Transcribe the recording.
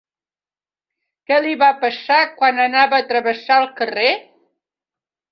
Què li va passar quan anava a travessar el carrer?